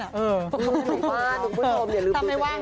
ใส่สูตรอยู่บ้านน้องพุทธมอย่าลืมดูตัวเอง